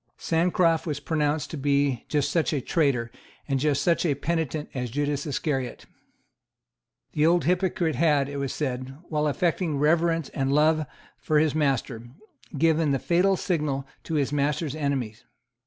Sancroft was pronounced to be just such a traitor and just such a penitent as Judas Iscariot. The old hypocrite had, it was said, while affecting reverence and love for his master, given the fatal signal to his master's enemies.